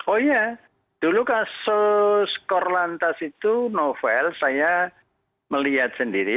oh iya dulu kasus korlantas itu novel saya melihat sendiri